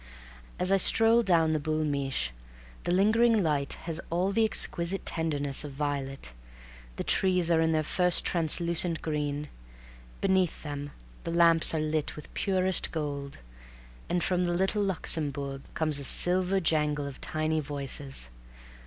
As I stroll down the Boul' Mich' the lingering light has all the exquisite tenderness of violet; the trees are in their first translucent green; beneath them the lamps are lit with purest gold, and from the Little Luxembourg comes a silver jangle of tiny voices.